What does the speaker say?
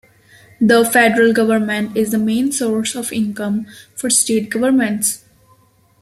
The federal government is the main source of income for state governments.